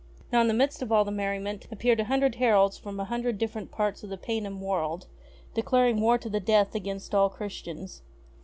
Now In the midst of all the merriment appeared a hundred heralds from a hundred different parts of the Paynim world, declaring war to the death against all Christians.